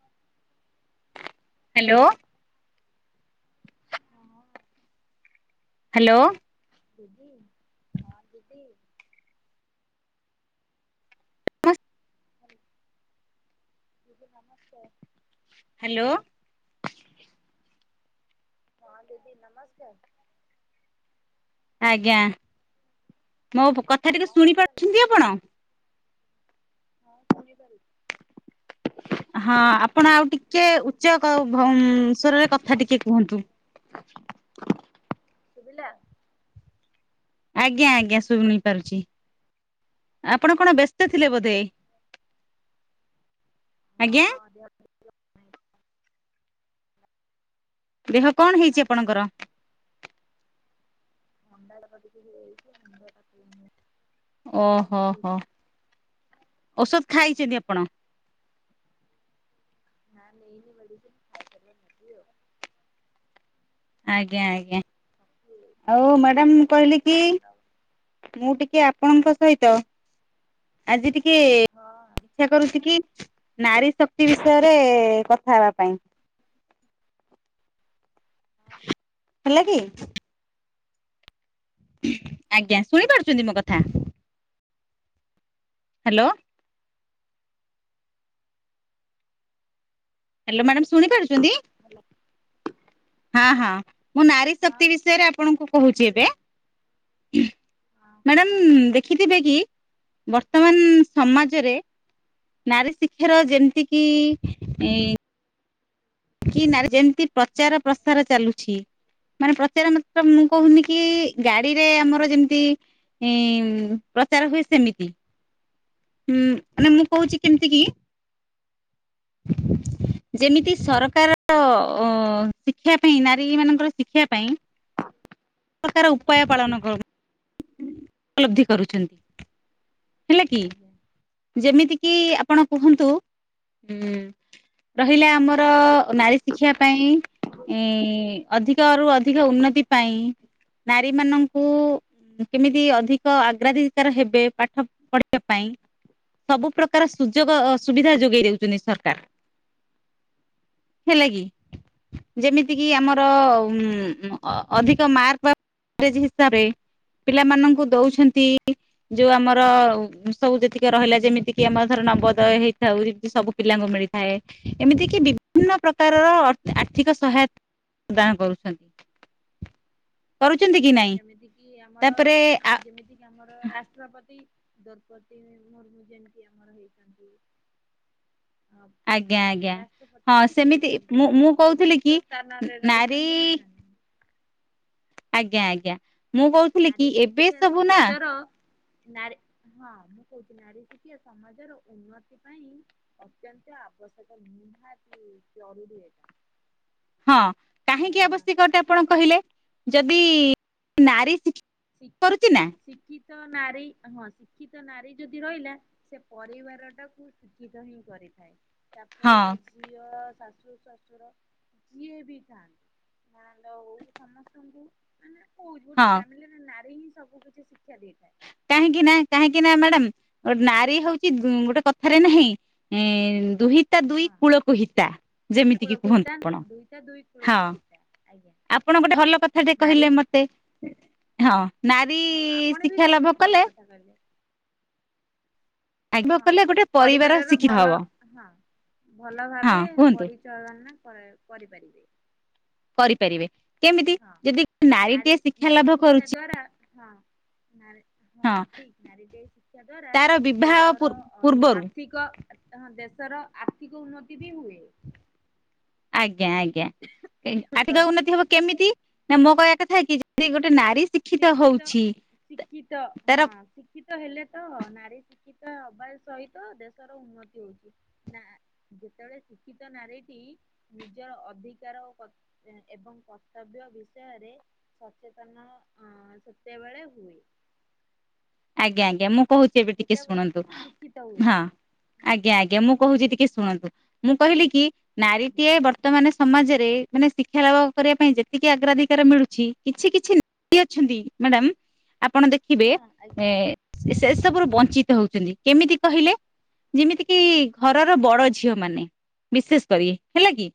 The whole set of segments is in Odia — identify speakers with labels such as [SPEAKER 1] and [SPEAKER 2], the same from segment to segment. [SPEAKER 1] ହଁ
[SPEAKER 2] ହ୍ୟାଲୋ
[SPEAKER 1] ହଁ
[SPEAKER 2] ହ୍ୟାଲୋ
[SPEAKER 1] ଦିଦି ହଁ ଦିଦି ଆ ଦିଦି ନମସ୍କାର
[SPEAKER 2] ହ୍ୟାଲୋ
[SPEAKER 1] ହଁ ଦିଦି ନମସ୍କାର
[SPEAKER 2] ଆଜ୍ଞା ମୋ କଥା ଟିକେ
[SPEAKER 1] କଣ କରୁଛନ୍ତି?
[SPEAKER 2] ଶୁଣିପାରୁଛନ୍ତି ଆପଣ
[SPEAKER 1] ହଁ ଖାଲି ଟାରେ
[SPEAKER 2] ହଁ ଆପଣ ଆଉ ଟିକେ ଉଚ୍ଚ କ ଭ ସ୍ଵରରେ କଥା ଟିକେ କୁହନ୍ତୁ
[SPEAKER 1] ଶୁଭିଲା
[SPEAKER 2] ଆଜ୍ଞା ଆଜ୍ଞା ଶୁଣି ପାରୁଛି ଆପଣ କଣ ବ୍ୟସ୍ତ ଥିଲେ ବୋଧେ ଆଜ୍ଞା
[SPEAKER 1] ହଁ ଦେ
[SPEAKER 2] ଦେହ କଣ ହେଇଛି ଆପଣଙ୍କର?
[SPEAKER 1] ହଣ୍ଡାଡ଼ ପତିିକ ଯାଇଛି ମୁଣ୍ଡଟ [unintelligible]
[SPEAKER 2] ଓହୋ ହୋ ଔଷଧ
[SPEAKER 1] ହଁ,
[SPEAKER 2] ଖାଇଛନ୍ତି ଆପଣ
[SPEAKER 1] ହଁ ନା ନେଇନି ମେଡ଼ିସିନ୍ ଖାଇ ସାରିଲେ ନେବି ଆଉ
[SPEAKER 2] ଆଜ୍ଞା ଆଜ୍ଞା
[SPEAKER 1] ବାକି
[SPEAKER 2] ଆଉ ମ୍ୟାଡ଼ାାମ
[SPEAKER 1] ଦେହଟା
[SPEAKER 2] କହିଲି
[SPEAKER 1] ଟିକେ
[SPEAKER 2] କି
[SPEAKER 1] ଭଲ ଲାଗୁନି
[SPEAKER 2] ମୁଁ ଟିକେ ଆପଣଙ୍କ ସହିତ ଆଜି ଟିକେ
[SPEAKER 1] ହଁ
[SPEAKER 2] ଇଛା କରୁଛି କି, ନାରୀ ଶକ୍ତି ବିଷୟରେ-ଏ କଥା ହେବା ପାଇଁ?
[SPEAKER 1] ଆଉ।
[SPEAKER 2] ହେଲା କି? ଆଜ୍ଞା, ଶୁଣି ପାରୁଚନ୍ତି ମୋ କଥା? ହ୍ୟାଲୋ। ହ୍ୟାଲୋ ମ୍ୟାଡ଼ାମ୍ ଶୁଣିପାରୁଛନ୍ତି?
[SPEAKER 1] ଭଲ
[SPEAKER 2] ହଁ, ହଁ, ମୁଁ ନାରୀ
[SPEAKER 1] ହଁ
[SPEAKER 2] ଶକ୍ତି ବିଷୟରେ ଆପଣଙ୍କୁ କହୁଛି ଏବେ।
[SPEAKER 1] ଶୁଣିପାରୁଛି ହଁ କୁହନ୍ତୁ
[SPEAKER 2] ମ୍ୟାଡ଼ାମ୍ ଦେଖିଥିବେ କି ବର୍ତ୍ତମାନ, ସମାଜରେ ନାରୀ ଶିକ୍ଷାର ଯେମିତି କିି-ଇଁ କି ନାରୀ ଯେମିତି ପ୍ରଚାର ପ୍ରସାର ଚାଲୁଛି, ମାନେ ପ୍ରଚାର ମାତ୍ର ମୁଁ କହୁନି କି-ଇ
[SPEAKER 1] ହୁଁ,
[SPEAKER 2] ଗାଡିରେ ଆମର ଯେମତି ଇ ଉମ୍ ପ୍ରଚାର ହୁଏ ସେମିତି। ଉଁ ମାନେ ମୁଁ କହୁଛି କେମିତି କି? ଯେମିତି ସରକାର -ଅ -ଅ ଶିକ୍ଷା ପାଇଁ ନାରୀ ମାନଙ୍କର ଶିକ୍ଷା ପାଇଁ, ଉ ତାର ଉପ୍ ଉପାୟ ପାଳନ
[SPEAKER 1] ଆଜ୍ଞା
[SPEAKER 2] କର, ଉପଲବ୍ଧି କରୁଛନ୍ତି। ହେଲାକି,
[SPEAKER 1] ଆଜ୍ଞା
[SPEAKER 2] ଯେମିତିକି ଆପଣ, କୁହନ୍ତୁ ଉମ୍ ରହିଲା ଆମର ନାରୀ ଶି୍କ୍ଷା ପାଇଁ ଇଁ ଅଧିକ ରୁ ଅଧିକ ଉନ୍ନତି ପାଇଁ ନାରୀ ମାନଙ୍କୁ କେମିତି ଅଧିକ ଆଗ୍ରାଧିକାର ହେବେ, ପାଠ ପଢିବା ପାଇଁ, ସବୁ ପ୍ରକାର ସୁଯୋଗ ଅ
[SPEAKER 1] ଆଜ୍ଞା
[SPEAKER 2] ସୁବିଧା ଯୋଗେଇ ଦଉଛନ୍ତି, ସରକାର। ହେଲା କି ଯେମିତି କିି
[SPEAKER 1] ହୁଁ
[SPEAKER 2] ଆମର ଉମ୍
[SPEAKER 1] ଆଜ୍ଞା
[SPEAKER 2] ମ ଅଧିକ ମାର୍କ ବା [inaudible] ହିସାବେ ପିଲାମାନଙ୍କୁ ଦଉଛନ୍ତି, ଯୋଉ ଆମ ର ସବୁ ଯେତିକି ରହିଲା ଯେମିତିକି ଆମର ଧର ନବୋଦୟ ହେଇଥାଉ, ଯିମିତି ସବୁ ପିଲାଙ୍କୁ ମିଳିଥାଏ। ଏମିତିକି ବିଭିନ୍ନ ପ୍ରକାରର ଅ-ଆର୍ଥିକ ସହାୟତା ପ୍ରଦାନ କରୁଛନ୍ତି। [unintelligible]
[SPEAKER 1] ହୁଁ,
[SPEAKER 2] କି ନାଇଁ
[SPEAKER 1] ଯେମିତି କିି ଆମର
[SPEAKER 2] ତାପରେ
[SPEAKER 1] ଆଁ ଯେମିତି ଆମର ରାଷ୍ଟ୍ରପତି, ଦୌର୍ପତୀ ମୁର୍ମୁ ଯେମିତି ଆମର ହେଇଛନ୍ତି।
[SPEAKER 2] [unintelligible] ଆଜ୍ଞା, ଆଜ୍ଞା
[SPEAKER 1] ରାଷ୍ଟ୍ରପତି
[SPEAKER 2] ହଁ
[SPEAKER 1] ଯେମିତି
[SPEAKER 2] ସେମିତି
[SPEAKER 1] ହେଇଛନ୍ତି
[SPEAKER 2] ମୁଁ, ମୁଁ
[SPEAKER 1] ସେ ବି
[SPEAKER 2] କହୁଥିଲି
[SPEAKER 1] ଉଚ୍ଚ
[SPEAKER 2] କି
[SPEAKER 1] ସ୍ଥାନରେ ରହିଛନ୍ତି ନା
[SPEAKER 2] ନାରୀ-ଇ
[SPEAKER 1] ନା ନା।
[SPEAKER 2] ଆଜ୍ଞା, ଆଜ୍ଞା, ମୁଁ କହୁଥିଲି
[SPEAKER 1] ନାରୀ
[SPEAKER 2] କି ଏବେ
[SPEAKER 1] ଶିକ୍ଷା
[SPEAKER 2] ସବୁ ନା
[SPEAKER 1] ସମାଜର ନାରୀ ହଁ, ମୁଁ କହୁଛି ନାରୀ ଶିକ୍ଷା ସମାଜର ଉନ୍ନତି ପାଇଁ ଅତ୍ୟନ୍ତ ଆବଶ୍ୟକ। ନିହାତି ଜରୁରୀ ଏଟା।
[SPEAKER 2] ହଁ, କାହିଁକି
[SPEAKER 1] ମାନଙ୍କ
[SPEAKER 2] ଆବଶ୍ୟକ
[SPEAKER 1] ପାଇଁ।
[SPEAKER 2] ଅଟେ, ଆପଣ କହିଲେ ଯଦି ନାରୀ ଶିକ୍ଷ୍
[SPEAKER 1] ଶିଖ୍ -ଶିକ୍ଷିତ ନାରୀ ହଁ, ଶିକ୍ଷିତ ନାରୀ ଯଦି ରହିଲା ସେ ପରିବାର ଟାକୁୁ ଶିକ୍ଷିତ ହିଁ କରିଥାଏ। ତା
[SPEAKER 2] ହଁ
[SPEAKER 1] ପୁଅ ଝି ଝିଅ, ଶାଶୁ, ଶ୍ୱଶୁର ଯିଏ ବି ଥାନ୍ତୁ। ନଣନ୍ଦ ହଉ ସମସ୍ତଙ୍କୁ ମାନେ କହୁଛି, ଗୋଟେ
[SPEAKER 2] ହଁ
[SPEAKER 1] ଫ୍ୟାମିଲି ରେ ନାରୀ ହିଁ ସବୁ କିଛି ଶିକ୍ଷା ଦେଇଥାଏ।
[SPEAKER 2] କାହିଁକି ନା, କାହିଁକି ନା, ମ୍ୟାଡାମ୍ ନାରୀ ହଉଛି ଗୋଟେ କଥାରେ ନାହିଁ ଇଁ ଦୁହି ତା ଦୁଇ
[SPEAKER 1] ହଁ
[SPEAKER 2] କୂଳକୁ ହିତା। ଯେମିତିକି
[SPEAKER 1] କୂଳକୁ
[SPEAKER 2] କୁହନ୍ତୁ
[SPEAKER 1] ହିତା
[SPEAKER 2] ଆପଣ।
[SPEAKER 1] ଦୁଇତା ଦୁଇ
[SPEAKER 2] ହଁ।
[SPEAKER 1] କୂଳକୁ ପିତା ଆଜ୍ଞା
[SPEAKER 2] ଆପଣ ଗୋଟେ ଭଲ କଥା ଟେ କହିଲେ
[SPEAKER 1] ନାରୀ
[SPEAKER 2] ମତେ, ହଁ
[SPEAKER 1] ହଁ
[SPEAKER 2] ନାରୀ-ଇ
[SPEAKER 1] ଆପଣ ବି
[SPEAKER 2] ଶିକ୍ଷା
[SPEAKER 1] ତ
[SPEAKER 2] ଲାଭ
[SPEAKER 1] ବହୁତ ଭଲ
[SPEAKER 2] କଲେ
[SPEAKER 1] କଥା କହିଲେ।
[SPEAKER 2] ଲାଭ
[SPEAKER 1] ହଁ,
[SPEAKER 2] କଲେ ଗୋଟେ ପରିବାର
[SPEAKER 1] ପରିବାରର
[SPEAKER 2] ଶିକ୍ଷିତ ହବ
[SPEAKER 1] ଭଲ। ହଁ, ଭଲ
[SPEAKER 2] ହଁ
[SPEAKER 1] ଭାବେ
[SPEAKER 2] କୁହନ୍ତୁ
[SPEAKER 1] ପରିଚାଳନା କରା କରିପାରିବେ।
[SPEAKER 2] କରିପାରିବେ। କେମିତି ଯଦି
[SPEAKER 1] ହଁ
[SPEAKER 2] ନାରୀଟିଏ
[SPEAKER 1] ନାରୀ
[SPEAKER 2] ଶିକ୍ଷା
[SPEAKER 1] ନାରୀ
[SPEAKER 2] ଲାଭ
[SPEAKER 1] ଶିକ୍ଷା
[SPEAKER 2] କରୁଛି
[SPEAKER 1] ଦ୍ଵାରା ହଁ। ନାରୀ ହଁ ଠିକ୍ ନାରୀ ଶିକ୍ଷା ଦ୍ଵାରା
[SPEAKER 2] ତାର ବିବାହ
[SPEAKER 1] ଦେଶର ଅର୍
[SPEAKER 2] ପୂର୍ବରୁ
[SPEAKER 1] ଆର୍ଥିକ ଦେଶର ଆର୍ଥିକ ଉନ୍ନତି ବି ହୁଏ।
[SPEAKER 2] ଆଜ୍ଞା ଆଜ୍ଞା, ଆର୍ଥିକ
[SPEAKER 1] ସରି
[SPEAKER 2] ଉନ୍ନତି ହବ କେମିତି? ନା ମୋ କହିବା କଥା କି ଯଦି ଗୋଟେ ନାରୀ ଶି
[SPEAKER 1] ଶିକ୍ଷିତ, ଶିକ୍ଷିତ
[SPEAKER 2] ତାର
[SPEAKER 1] ହଁ। ଶିକ୍ଷିତ ହେଲେ ତ ନାରୀ ଶିକ୍ଷିତ ହେବା ସହିତ ଦେଶର ଉନ୍ନତି ହଉଛି। ନା ଯେତେବେଳେ ଶିକ୍ଷିତ ନାରୀଟି ନିଜର ଅଧିକାର ଓ କ ଏବଂ କର୍ତ୍ତବ୍ୟ ବିଷୟରେ ସଚେତନ ହଁ ସେତେବେଳେ ହୁଏ।
[SPEAKER 2] ଆଜ୍ଞା ଆଜ୍ଞା, ମୁଁ କହୁଛି ଏବେ ଟିକେ
[SPEAKER 1] ଯେତେବେଳେ
[SPEAKER 2] ଶୁଣନ୍ତୁ,
[SPEAKER 1] ଶିକ୍ଷିତ ହୁଏ
[SPEAKER 2] ହଁ
[SPEAKER 1] ହୁଁ
[SPEAKER 2] ଆଜ୍ଞା ଆଜ୍ଞା ମୁଁ କହୁଛି ଟିକେ ଶୁଣନ୍ତୁ ମୁଁ କହିଲି କି
[SPEAKER 1] ଆଜ୍ଞା
[SPEAKER 2] ନାରୀଟିଏ ବ ତ ମାନେ ସମାଜରେ ମାନେ ଶିକ୍ଷା ଲାଭ କରିବା ପାଇଁ ଯେତିକି ଆଗ୍ରାଧିକାର ମିଳୁଛି କିଛି କିଛି ଅଛନ୍ତି ମ୍ୟାଡ଼ାମ, ଆପଣ ଦେଖ
[SPEAKER 1] ହଁ। ଆଜ୍ଞା
[SPEAKER 2] ଏ
[SPEAKER 1] ଆଜ୍ଞା
[SPEAKER 2] ସେ ସବୁରୁ ବଂଞ୍ଚିତ ହଉଛନ୍ତି କେମିତି କହିଲେ? ଯେମିତି କିି ଘରର ବଡ ଝିଅ ମାନେ ବିଶେଷ କରି ହେଲା କି।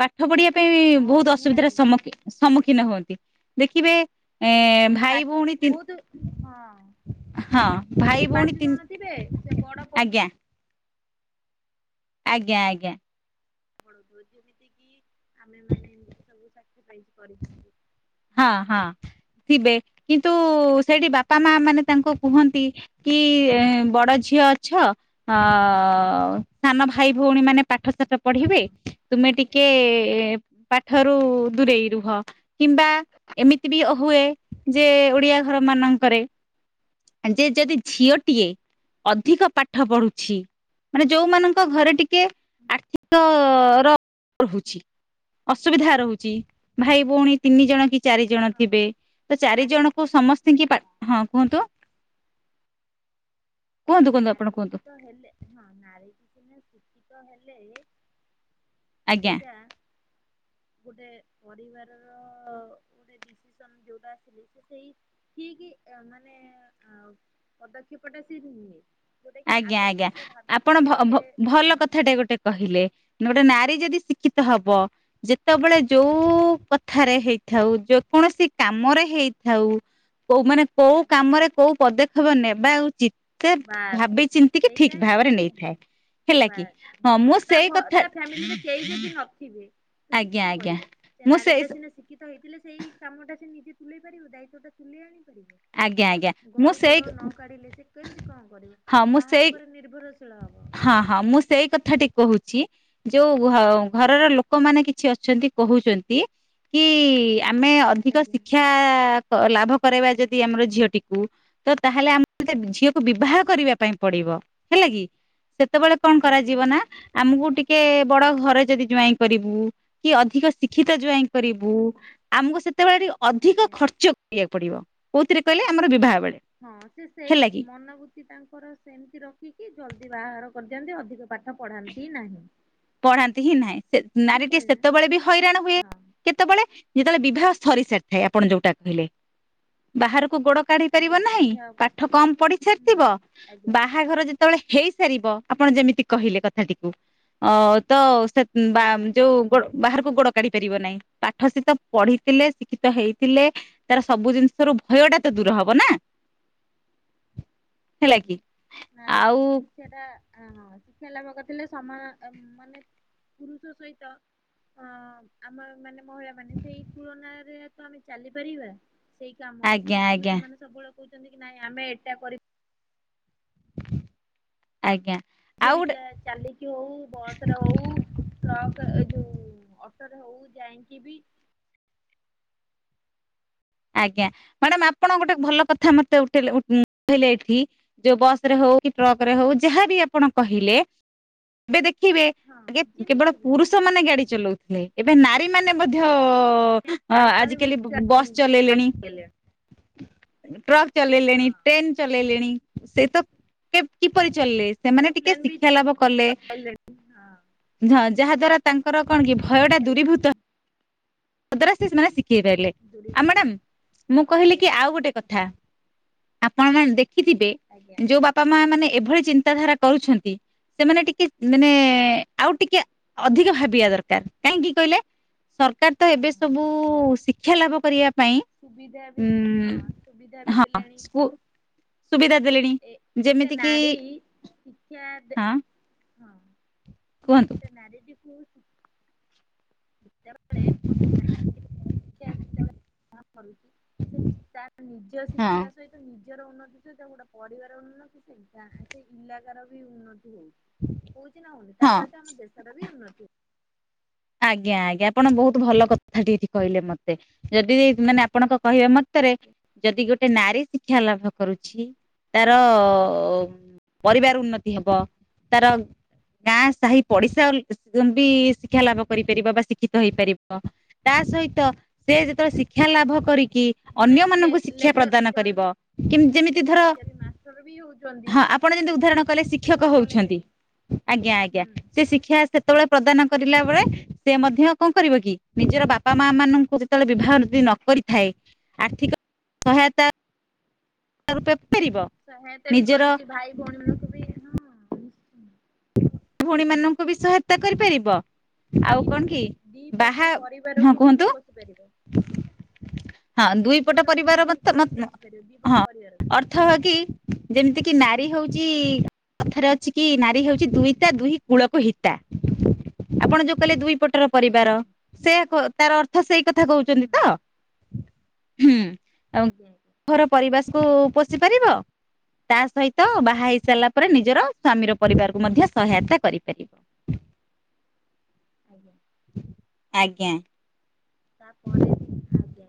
[SPEAKER 2] ପାଠ ପଢିବା
[SPEAKER 1] ବେଶୀ
[SPEAKER 2] ପାଇଁ
[SPEAKER 1] ହଁ
[SPEAKER 2] ବହୁତ ଅସୁବିଧାର
[SPEAKER 1] ନିହାତି
[SPEAKER 2] ସମ୍ ସମ୍ମୁଖୀନ ହୁଅନ୍ତି, ଦେଖିବେ
[SPEAKER 1] ହଁ
[SPEAKER 2] ଏଁ
[SPEAKER 1] ସା
[SPEAKER 2] ଭାଇ ଭଉଣୀ ତିନ
[SPEAKER 1] ବହୁତ ହଁ।
[SPEAKER 2] ହଁ
[SPEAKER 1] ତିନି
[SPEAKER 2] ଭାଇ ଭଉଣୀ
[SPEAKER 1] ପାଞ୍ଚ ଜଣ ଥିବେ ସେ
[SPEAKER 2] ତିନି
[SPEAKER 1] ବଡ ପ
[SPEAKER 2] ଆଜ୍ଞା। ଆଜ୍ଞା ଆଜ୍ଞା।
[SPEAKER 1] ମୂଳଦୁଆ ଯେମିତି କିି ଆମେମାନେ ଏମତି ସବୁ ସାକ୍ରିଫାଇସ୍ କରିଛନ୍ତି।
[SPEAKER 2] ହଁ ହଁ ଥିବେ କିନ୍ତୁ ସେଠି ବାପା ମା ମାନେ ତାଙ୍କୁ କୁହନ୍ତି କି ବଡ ଝିଅ ଅଛ ଅ ସାନ ଭାଇ ଭଉଣୀ ମାନେ ପାଠ ଶାଠ ପଢିବେ। ତୁମେ ଟିକେ ପାଠରୁ ଦୂରେଇ ରୁହ, କିମ୍ବା ଏମିତି ବି ହୁଏ ଯେ ଓଡିଆ ଘର ମାନଙ୍କରେ ଆ ଯେ ଯଦି ଝିଅଟିଏ ଅଧିକ ପାଠ ପଢୁଚି ମାନେ ଯୋଉମାନଙ୍କ ଘରେ ଟିକେ ଆର୍ଥିକ ର ରହୁଛି। ଅସୁବିଧା ରହୁଛି, ଭାଇ ଭଉଣୀ ତିନି ଜଣ କି ଚାରି ଜଣ
[SPEAKER 1] ହଁ
[SPEAKER 2] ଥିବେ ତ ଚାରି
[SPEAKER 1] ନାରୀ
[SPEAKER 2] ଜଣଙ୍କୁ ସମ ସ୍ତିଙ୍କି ପା ହଁ କୁହନ୍ତୁ, କୁହନ୍ତୁ କୁହନ୍ତୁ
[SPEAKER 1] ନାରୀ
[SPEAKER 2] ଆପଣ କୁହନ୍ତୁ।
[SPEAKER 1] ଶିକ୍ଷିତ ହେଲେ ହଁ ନାରିଟି ସିନା ସୁସ୍ଥ ହେଲେ
[SPEAKER 2] ଆଜ୍ଞା
[SPEAKER 1] ସେଇଟା ଗୋଟେ ପରିବାରର ଗୋଟେ ଡିସିସନ୍ ଯୋଉଟା ଆସିଲେ ସେ ସେଇ ଠିକ ମାନେ ପଦକ୍ଷେପ ଟା ସିଏ ନିଏ। ଯୋଉଟା କି
[SPEAKER 2] ଆଜ୍ଞା
[SPEAKER 1] ଆଗ
[SPEAKER 2] ଆଜ୍ଞା,
[SPEAKER 1] ପଛ ଭାବି
[SPEAKER 2] ଆପଣ ଭ
[SPEAKER 1] ବିଚାରି ସେ
[SPEAKER 2] ଭ ଭଲ କଥାଟେ ଗୋଟେ କହିଲେ, ଗୋଟେ ନାରୀ ଯଦି ଶିକ୍ଷିତ ହବ। ଯେତେବେଳେ ଯୋଉ କଥାରେ ହେଇଥାଉ ଯେ କୌଣସି କାମରେ ହେଇଥାଉ। କୋଉ ମାନେ କୋଉ
[SPEAKER 1] ଆଗେ
[SPEAKER 2] କାମରେ କୋଉ ପଦକ୍ଷେପ ନେବା ଉଚିତ ସେ
[SPEAKER 1] ବାସ୍
[SPEAKER 2] ଭାବି ଚିନ୍ତିକି
[SPEAKER 1] ସେଇଟା
[SPEAKER 2] ଠିକ
[SPEAKER 1] ହିଁ
[SPEAKER 2] ଭାବରେ
[SPEAKER 1] ସେ
[SPEAKER 2] ନେଇଥାଏ। ହେଲା
[SPEAKER 1] ବା
[SPEAKER 2] କି ହଁ ମୁଁ
[SPEAKER 1] ଡିସିସନ ତା
[SPEAKER 2] ସେଇ
[SPEAKER 1] ଘ
[SPEAKER 2] କଥା
[SPEAKER 1] ତା ଫ୍ୟାମିଲି ରେ କେହି ଯଦି ନଥିବେ। ତ ସିଏ
[SPEAKER 2] ଆଜ୍ଞା
[SPEAKER 1] କଁ
[SPEAKER 2] ଆଜ୍ଞା
[SPEAKER 1] କରିବ ସେ
[SPEAKER 2] ମୁଁ ସେଇ
[SPEAKER 1] ନାରୀଟା ସିନା ଶିଖି ତ ହେଇଥିଲେ ସେଇ କାମ ଟା ସେ ନିଜେ ତୁଲେଇ ପାରିବ ଦାୟିତ୍ବ ଟା ତୁଲେଇ ଆଣି
[SPEAKER 2] ଆଜ୍ଞା ଆଜ୍ଞା
[SPEAKER 1] ପାରିବ।
[SPEAKER 2] ମୁଁ
[SPEAKER 1] ଘରୁ
[SPEAKER 2] ସେଇ
[SPEAKER 1] ଗୋଡ ନ କାଢିଲେ ସେ। କେମତି କଁ କରିବ
[SPEAKER 2] ହଁ ମୁଁ
[SPEAKER 1] କାହା
[SPEAKER 2] ସେଇ
[SPEAKER 1] ଉପରେ ନିର୍ଭରଶୀଳ ହବ।
[SPEAKER 2] ହଁ ହଁ ମୁଁ ସେଇ କଥାଟି କହୁଛି। ଯୋଉ ଘ ଘରର ଲୋକମାନେ କିଛି ଅଛନ୍ତି କହୁଛନ୍ତି। କି ଆମେ ଅଧିକ
[SPEAKER 1] ଆଜ୍ଞା।
[SPEAKER 2] ଶିକ୍ଷା କ ଲାଭ କରେଇବା ଯଦି ଆମର ଝିଅଟିକୁ। ତ ତାହେଲେ ଆମକୁ ତ ଝିଅକୁ ବିବାହ କରିବା ପାଇଁ ପଡିବ ହେଲା କି। ସେତେବେଳେ କଣ
[SPEAKER 1] ଆଜ୍ଞା
[SPEAKER 2] କରାଯିବ ନା। ଆମକୁ ଟିକେ ବଡ ଘରେ ଯଦି ଯୁଆଇଁ କରିବୁ କି ଅଧିକ ଶିକ୍ଷିତ ଜୁଆଇଁ।
[SPEAKER 1] ଆଜ୍ଞା
[SPEAKER 2] କରିବୁ ଆମକୁ ସେତେବେଳେ ଟିକେ ଅଧିକ
[SPEAKER 1] ଆଜ୍ଞା।
[SPEAKER 2] ଖର୍ଚ୍ଚ। କରିବାକୁ ପଡିବ କୋଉଥିରେ କହିଲେ ଆମର ବିବାହ ବେଳେ।
[SPEAKER 1] ହଁ ସିଏ ସେଇ
[SPEAKER 2] ହେଲା କି
[SPEAKER 1] ମନୋବୃତ୍ତି ତାଙ୍କର ସେମିତି ରଖିକି ଜଲଦି ବାହାର କରିଦିଅନ୍ତି ଅଧିକ ପାଠ୍
[SPEAKER 2] ପଢାନ୍ତି ହିଁ ନାହିଁ ସେ
[SPEAKER 1] ଠିକ
[SPEAKER 2] ନାରୀ ଟିିଏ
[SPEAKER 1] କହିଲି ନା
[SPEAKER 2] ସେତେବେଳେ ବି ହଇରାଣ ହୁଏ।
[SPEAKER 1] ହଁ
[SPEAKER 2] କେତେବେଳେ ଯେତେବେଳେ ବିବାହ ସରି ସାରିଥାଏ ଆପଣ ଯୋଉଟା କହିଲେ ବାହାରକୁ ଗୋଡ। କାଢି ପାରିବ
[SPEAKER 1] ଆଜ୍ଞା
[SPEAKER 2] ନାହିଁ
[SPEAKER 1] ବିବାହ ପରେ
[SPEAKER 2] ପାଠ କମ ପଢି
[SPEAKER 1] ହୁଁ
[SPEAKER 2] ସାରିଥିବ
[SPEAKER 1] ଆଜ୍ଞା
[SPEAKER 2] ବାହାଘର ଯେ ଯେତେବେଳେ ହେଇସାରିବ ଆପଣ ଯେମିତି କହିଲେ କଥାଟିକୁ ଅ ତ ସେ। ବା
[SPEAKER 1] ଆଜ୍ଞା
[SPEAKER 2] ମ୍ ଯୋଉ। ଗୋଡ ବାହାରକୁ ଗୋଡ କାଢି ପାରିବ ନାହିଁ ପାଠ ସେତ ପଢିଥିଲେ ଶିକ୍ଷିତ ହେଇଥିଲେ। ତାର ସବୁ ଜିନିଷରୁ ଭୟ ଟା ତ ଦୂର ହବ ନା। ହେଲା କି ଆଉ।
[SPEAKER 1] ସେଟା ହଁ ଶିକ୍ଷା ଲାଭ କରିଥିଲେ ସମା ମାନେ ପୁରୁଷ ସହିତ। ଅଁ ଆମ ମାନେ ମହିଳା ମାନେ ସେଇ ତୁଳନାରେ ତ ଆମେ ଚାଲିପାରିବା। ସେଇ କାମ
[SPEAKER 2] ଆଜ୍ଞା
[SPEAKER 1] କାଇଁ
[SPEAKER 2] ଆଜ୍ଞା
[SPEAKER 1] ପୁରୁଷ ମାନେ ସବୁବେଳେ କହୁଛନ୍ତି କି ନାଇଁ ଆମେ ଏଇଟା କରି
[SPEAKER 2] ଆଜ୍ଞା।
[SPEAKER 1] ସିଏ
[SPEAKER 2] ଆଉ
[SPEAKER 1] ବି
[SPEAKER 2] ଗୋଟେ
[SPEAKER 1] ତା ଚାଲିକି ହଉ ବସରେ ହଉ। ଟ୍ରକ୍ ଏ ଯୋଉ ଅଟୋରେ ହଉ ଯାଇଁକି ବି।
[SPEAKER 2] ଆଜ୍ଞା ମ୍ୟାଡାମ ଆପଣ ଗୋଟେ ଭଲ କଥା ମତେ ଉଠେଇଲେ ଉଠ୍ ଉଁ ଉଠେଇଲେ ଏଠି ଯୋଉ ବସ ରେ ହଉ କି ଟ୍ରକ ରେ ହଉ ଯାହାବି ଆପଣ କହିଲେ। ଏବେ ଦେଖିବେ
[SPEAKER 1] ହଁ
[SPEAKER 2] ଆଗେ କେବଳ
[SPEAKER 1] ଯେମିତି ବି
[SPEAKER 2] ପୁରୁଷ ମାନେ ଗାଡି ଚଲାଉଥିଲେ। ଏବେ ନାରୀ ମାନେ ମଧ୍ୟ ଅ
[SPEAKER 1] ନାରୀ ମାନେ ବି
[SPEAKER 2] ଆଜିକାଲି
[SPEAKER 1] ହଁ
[SPEAKER 2] ବସ୍ ଚଲେଇଲେଣି। ଟ୍ରକ୍ ଚଲେଇଲେଣି ଟ୍ରେନ ଚଲେଇଲେଣି ସେଇ ତ କେ କିପରି ଚାଲିଲେ ସେମାନେ
[SPEAKER 1] ଏରୋପ୍ଲେନ
[SPEAKER 2] ଟିକେ
[SPEAKER 1] ବି
[SPEAKER 2] ଶିକ୍ଷା ଲାଭ କଲେ।
[SPEAKER 1] ଚଲେଇଲେଣି ହଁ
[SPEAKER 2] ହଁ ଯାହା ଦ୍ଵାରା ତାଙ୍କର କଣ କି ଭୟ ଟା
[SPEAKER 1] ଉନ୍ନତି ହେଲାଣି
[SPEAKER 2] ଦୂରୀଭୂତ। ହବା ଦ୍ଵାରା ସେ ସେମାନେ ଶିଖେଇ ପାରିଲେ ଆଉ
[SPEAKER 1] ଦୂରୀଭୂତ
[SPEAKER 2] ମ୍ୟାଡାମ ମୁଁ କହିଲି
[SPEAKER 1] ଆଜ୍ଞା
[SPEAKER 2] କି ଆଉ ଗୋଟେ କଥା। ଆପଣ ମାନ ଦେଖିଥିବେ
[SPEAKER 1] ଆଜ୍ଞା
[SPEAKER 2] ଯୋଉ ବାପା ମା ମାନେ ଏଭଳି ଚିନ୍ତାଧାରା କରୁଛନ୍ତି। ସେମାନେ ଟିକେ ମାନେ ଆଉ ଟିକେ ଅଧିକ ଭାବିବା ଦରକାର କାହିଁକି କହିଲେ। ସରକାର ତ ଏବେ
[SPEAKER 1] ହଁ
[SPEAKER 2] ସବୁ ଶିକ୍ଷା ଲାଭ କରିବା ପାଇଁ।
[SPEAKER 1] ସୁବିଧା ବି ହଁ ସୁବିଧା ବି ଦେଲେଣି।
[SPEAKER 2] କୁ ସୁବିଧା ଦେଲେଣି
[SPEAKER 1] ଏ ଗୋଟେ
[SPEAKER 2] ଯେମିତି କିି
[SPEAKER 1] ନାରୀ ଶିକ୍ଷା
[SPEAKER 2] ହଁ।
[SPEAKER 1] ହଁ
[SPEAKER 2] କୁହନ୍ତୁ
[SPEAKER 1] ଗୋଟେ ନାରୀଟି କୁ ହଁ [unintelligible]
[SPEAKER 2] ଆଁ।
[SPEAKER 1] ଶିକ୍ଷା ଯେତେବେଳେ ଗ୍ରହଣ କରୁଛି ସେ ତାର ନିଜ
[SPEAKER 2] ହଁ
[SPEAKER 1] ଶିଖିବା ସହିତ ନି ନିଜର ଉନ୍ନତି ସହିତ ଗୋଟେ ପରିବାର ଉନ୍ନତି, ସେ ଗାଁ ସେଇ ଇଲାକାର ର ବି ଉନ୍ନତି ହଉ ହଉଚି ନା ହଉନି ତା
[SPEAKER 2] ହଁ
[SPEAKER 1] ସହିତ ଆମ ଦେଶର ବି ଉନ୍ନତି
[SPEAKER 2] ଆଜ୍ଞା ଆଜ୍ଞା ଆପଣ ବହୁତ ଭଲ କଥା ଟିଏ ଏଠି କହିଲେ ମୋତେ। ଯଦି ମାନେ ଆପ ଆପଣଙ୍କ କହିବା ମତରେ
[SPEAKER 1] ହଉଛି
[SPEAKER 2] ଯଦି ଗୋଟେ ନାରୀ ଶିକ୍ଷା ଲାଭ କରୁଛି ତାର ପରିବାର ଉନ୍ନତି ହେବ, ତାର ଗାଁ ସାହି ପଡିଶା ସନ୍ତି ଶିକ୍ଷା ଲାଭ କରିପାରିବ ବା ଶିକ୍ଷିତ ହେଇପାରିବ। ତା ସହିତ ସେ ଯେତେବେଳେ ଶିକ୍ଷା ଲାଭ
[SPEAKER 1] ଆଜ୍ଞା।
[SPEAKER 2] କରିକି
[SPEAKER 1] ଜଣେ
[SPEAKER 2] ଅନ୍ୟ
[SPEAKER 1] ବି ଲେ
[SPEAKER 2] ମାନଙ୍କୁ ଶିକ୍ଷା
[SPEAKER 1] ଲେକ୍ଚର
[SPEAKER 2] ପ୍ରଦାନ
[SPEAKER 1] ଜଣେ ବି
[SPEAKER 2] କରିବ, କିମ୍ ଯେମିତି ଧର
[SPEAKER 1] ମାଷ୍ଟର ବି ହଉଛନ୍ତି
[SPEAKER 2] ହଁ ଆ ପଣ ଯେମିତି
[SPEAKER 1] ହଉନାହାନ୍ତି
[SPEAKER 2] ଉଦାହରଣ
[SPEAKER 1] କି?
[SPEAKER 2] କଇଲେ ଶିକ୍ଷକ
[SPEAKER 1] ସ୍କୁଲ
[SPEAKER 2] ହଉଛନ୍ତି,
[SPEAKER 1] କଲେଜରେ
[SPEAKER 2] ଆଜ୍ଞା ଆଜ୍ଞା
[SPEAKER 1] ହୁଁ
[SPEAKER 2] ସେ ଶିକ୍ଷା ସେତେବେଳେ ପ୍ରଦାନ କରିଲା ବେଳେ ସେ ମଧ୍ୟ କଣ କରିବ କି ନିଜର ବାପା ମା ମାନଙ୍କୁ ଯେତେବେଳେ ବିବାହ ଯଦି ନ କରିଥାଏ ଆର୍ଥିକ ସହାୟତା ରୁପେ ପାରିବ।
[SPEAKER 1] ସହାୟତା ବି
[SPEAKER 2] ନିଜର
[SPEAKER 1] କରୁଚି ଭାଇ ଭଉଣୀ ମାନଙ୍କୁ ବି ହଁ ନିଶ୍ଚୟ
[SPEAKER 2] ଭଉଣୀ ମାନଙ୍କୁ ବି ସହାୟତା କରିପାରିବ। ଆଉ
[SPEAKER 1] ଦି
[SPEAKER 2] କଣ କି
[SPEAKER 1] ଦି
[SPEAKER 2] ବାହା
[SPEAKER 1] ପଟ
[SPEAKER 2] ହଁ
[SPEAKER 1] ପରିବାରକୁ ବି ସେ
[SPEAKER 2] କୁହନ୍ତୁ,
[SPEAKER 1] ପୋଷି ପାରିବ
[SPEAKER 2] ହଁ ଦୁଇ
[SPEAKER 1] ଦି
[SPEAKER 2] ପଟ ପରିବାର ମତ୍
[SPEAKER 1] ଫ୍ୟାମିଲିକୁ ବି ପୋଷି ପାରିବ ଦି ପଟ
[SPEAKER 2] ନ-ନ-ହଁ
[SPEAKER 1] ପରିବାର
[SPEAKER 2] ଅର୍ ଥହ କି ଯେମତିକି ନାରୀ ହଉଚି କଥାରେ ଅଛି କି ନାରୀ ହେଉ ଚି ଦୁଇତା ଦୁହି କୂଳକୁ ହିତା, ଆପଣ ଯୋଉ କହିଲେ ଦୁଇ ପଟର ପରିବାର
[SPEAKER 1] ଆଜ୍ଞା ହୁଁ
[SPEAKER 2] ସେଇଆ କ- ତାର ଅର୍ଥ ସେଇ କଥା କହୁଚନ୍ତି ତ? ହୁଁ। ଆଉ
[SPEAKER 1] ଆଜ୍ଞା ଆଜ୍ଞା।
[SPEAKER 2] ଘର ପରିବେଶକୁ ପୋଷି ପାରିବ। ତା ସହିତ ବାହା ହେଇ ସାରିଲା ପରେ ନିଜର ସ୍ଵାମୀର ପରିବାରକୁ ମଧ୍ୟ ସହାୟତା କରିପାରିବ।
[SPEAKER 1] ଆଜ୍ଞା।
[SPEAKER 2] ଆଜ୍ଞା।
[SPEAKER 1] ତା ପରେ ବି ଆଜ୍ଞା,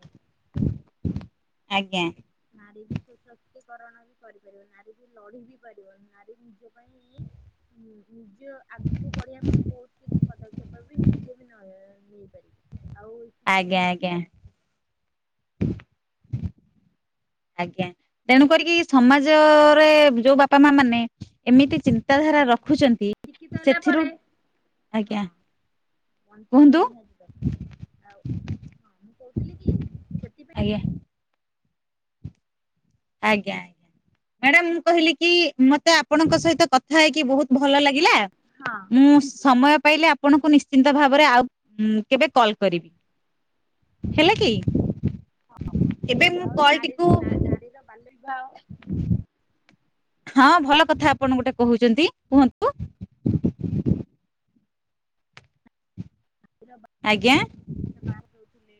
[SPEAKER 2] ଆଜ୍ଞା।
[SPEAKER 1] ନାରୀ ବି ସୋଶକ୍ତିକରଣ ବି କରିପାରିବ, ନାରୀ ବି ଲଢି ବି ପାରିବ, ନାରୀ ବି ନିଜ [unintelligible] ହୁଁ, ନିଜ ଆଗକୁ ପଢିବା ପାଇଁ ବହୁତ କିଛି ପଦକ୍ଷେପ ବି ନିଜେ ବି ନହେ ବି। ଆଉ ଶିକ୍ଷିତ
[SPEAKER 2] ଆଜ୍ଞା
[SPEAKER 1] ନ
[SPEAKER 2] ଆଜ୍ଞା
[SPEAKER 1] ଥିଲେ
[SPEAKER 2] [inaudible] ଆଜ୍ଞା, ତେଣୁ କରିକି ସମାଜରେ ଯୋଉ ବାପା ମା ମାନେ ଏମିତି ଚିନ୍ ତାଧାରା
[SPEAKER 1] ହଁ
[SPEAKER 2] ରଖୁଛନ୍ତି
[SPEAKER 1] ଶିକ୍ଷିତ ହେଲା
[SPEAKER 2] ସେଥିରୁ
[SPEAKER 1] ପରେ ହଁ
[SPEAKER 2] ଆଜ୍ଞା
[SPEAKER 1] ବଞ୍ଚିବା
[SPEAKER 2] କୁହନ୍ତୁ
[SPEAKER 1] ନିିହାତି ଦରକାର। ଆଉ ହଁ ମୁଁ କହୁଥିଲି କି ସେଥିପାଇଁ
[SPEAKER 2] ଆଜ୍ଞା ଆଜ୍ଞା। ମ୍ୟାଡାମ୍ ମୁଁ କହିଲି କି ମୋତେ ଆପଣଙ୍କ ସହିତ କଥା ହେଇକି ବହୁତ ଭଲ ଲାଗିଲା।
[SPEAKER 1] ହଁ।
[SPEAKER 2] ମୁଁ ସମୟ ପାଇଲେ ଆପଣଙ୍କୁ ନିଶ୍ଚିନ୍ତ ଭାବରେ ଆଉ ହୁଁ, କେବେ କଲ୍ କରିବି। ହେଲେ କି, ଏବେ ମୁଁ
[SPEAKER 1] ଆଉ
[SPEAKER 2] କଲ୍
[SPEAKER 1] ନାରୀ
[SPEAKER 2] ଟିକୁ
[SPEAKER 1] ନା- ନାରୀର ବାଲ୍ୟ ବିବାହ
[SPEAKER 2] ହଁ ଭଲ କଥା ଆପଣ ଗୋଟେ କହୁଚନ୍ତି କୁହନ୍ତୁ।
[SPEAKER 1] ର- ବା-
[SPEAKER 2] ଆଜ୍ଞା
[SPEAKER 1] ଯୋଉ ବାହାଘର [inaudible] ହୁଏ,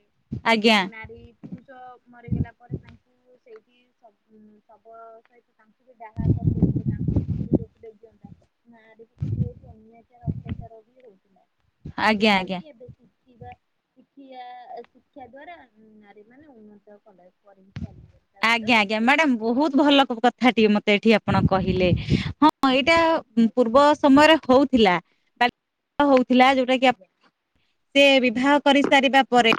[SPEAKER 2] ଆଜ୍ଞା
[SPEAKER 1] ନାରୀ ପୁରୁଷ ମରିଗଲା ପରେ ତାଙ୍କୁ ସେଇଠି ଶବ୍ ଉଁ, ଶବ ସଇ ତାଙ୍କୁ ଦାହା କରିଦଉଥିଲେ, ତାଙ୍କୁ ବି ପୋଡିଦଉଥିଲେ ଜିଅନ୍ତା, ନାରୀ ସେ ବହୁତ ଅନ୍ୟାଚାର ଅତ୍ୟାଚାର ବି ହଉଥିଲା,
[SPEAKER 2] ଆଜ୍ଞା
[SPEAKER 1] ଯୋଉଟା
[SPEAKER 2] ଆଜ୍ଞା।
[SPEAKER 1] କି ଏବେ ଶିଖିବା ଶିଖିଆ ଶିକ୍ଷା ଦ୍ଵାରା ନାରୀ ମାନେ ଉନ୍ନତ କଲେ। [unintelligible] ଚାଲି ତା
[SPEAKER 2] ଆଜ୍ଞା
[SPEAKER 1] ସହିତ
[SPEAKER 2] ଆଜ୍ଞା
[SPEAKER 1] ଦେଶରେ ବି
[SPEAKER 2] ମ୍ୟାଡାମ
[SPEAKER 1] ଉନ୍ନତ
[SPEAKER 2] ବହୁତ
[SPEAKER 1] ହବ।
[SPEAKER 2] ଭଲ କଥା ଟିକେ ମତେ ଏଠି ଆପଣ କହିଲେ। ହଁ ଏଇଟା
[SPEAKER 1] ହେଲା ଆଜ୍ଞା
[SPEAKER 2] ପୂର୍ବ ସମୟରେ ହଉଥିଲା [unintelligible] ହଉଥିଲା ଯୋଉଟା କି ଆ
[SPEAKER 1] ଆଜ୍ଞା।
[SPEAKER 2] ସେ ବିବାହ କରି ସାରିବା ପରେ